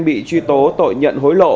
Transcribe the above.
bị truy tố tội nhận hối lộ